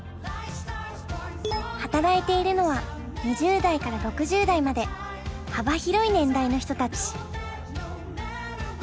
働いているのは２０代から６０代まで幅広い年代の人たち。